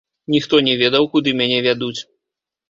Ніхто не ведаў, куды мяне вядуць.